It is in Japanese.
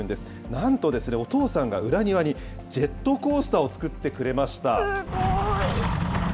なんとですね、お父さんが裏庭にジェットコースターを作ってくれました。